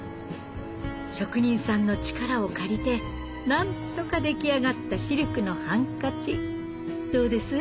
職人さんの力を借りて何とか出来上がったシルクのハンカチどうです？